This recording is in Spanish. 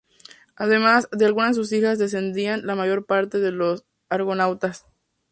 Además, de algunas de sus hijas descendían la mayor parte de los argonautas.